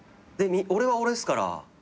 「俺は俺っすから」